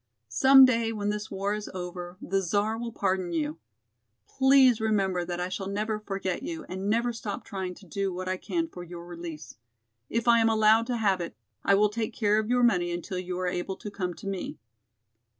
"Some day when this war is over the Czar will pardon you. Please remember that I shall never forget you and never stop trying to do what I can for your release. If I am allowed to have it, I will take care of your money until you are able to come to me."